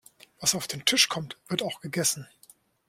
Was auf den Tisch kommt, wird auch gegessen.